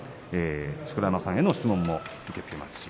錣山さんへの質問も受け付けています。